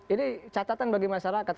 ini catatan bagi masyarakat